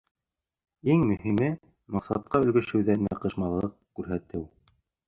Иң мөһиме — маҡсатҡа өлгәшеүҙә ныҡышмаллыҡ күрһәтеү.